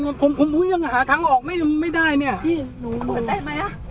พี่ก่อนผมยังหาทางออกไม่ได้เนี่ย